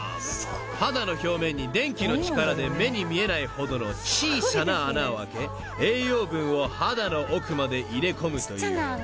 ［肌の表面に電気の力で目に見えないほどの小さな穴を開け栄養分を肌の奥まで入れ込むという］